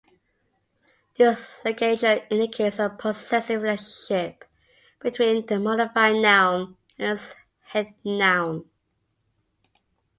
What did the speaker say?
This ligature indicates a possessive relationship between a modifier noun and its head-noun.